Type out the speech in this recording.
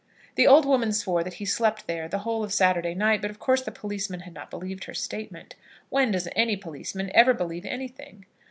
The old woman swore that he slept there the whole of Saturday night, but of course the policemen had not believed her statement. When does any policeman ever believe anything?